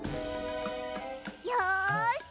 よし！